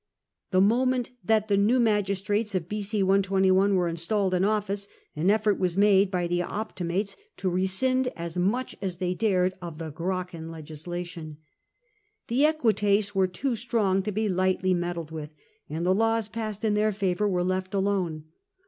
The moment that the new magistrates of B.o. 12 1 were installed in office, an effort was made by the Optimates to rescind as much as they dared of the Gracchan legisla tion. The Equites were too strong to be lightly meddled with, and the laws passed in their favour were left alone.